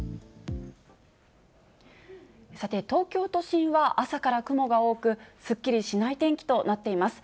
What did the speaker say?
さて、東京都心は朝から雲が多く、すっきりしない天気となっています。